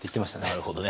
なるほどね。